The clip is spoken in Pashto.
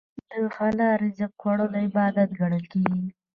د حلال رزق خوړل عبادت ګڼل کېږي.